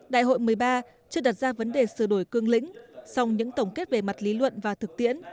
đại hội một mươi ba chưa đặt ra vấn đề sửa đổi cương lĩnh song những tổng kết về mặt lý luận và thực tiễn